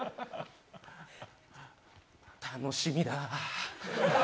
楽しみだ。